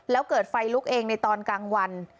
แล้วเกิดไฟลุกเองในตอนกลางวัน